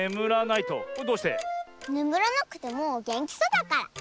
ねむらなくてもげんきそうだから。